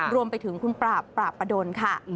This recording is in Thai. รวมไปถึงคุณปราบปราบประดนค่ะ